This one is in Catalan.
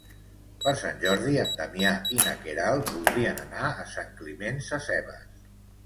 Per Sant Jordi en Damià i na Queralt voldrien anar a Sant Climent Sescebes.